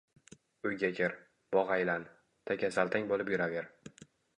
Uyga kir, bog` aylan, takasaltang bo`lib yuraver